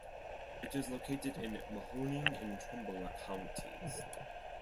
It is located in Mahoning and Trumbull counties.